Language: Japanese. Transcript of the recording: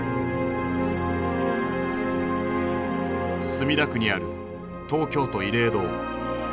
墨田区にある東京都慰霊堂。